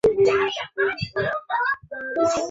随后倪玉兰开始上访。